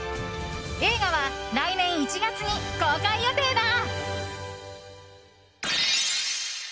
映画は来年１月に公開予定だ。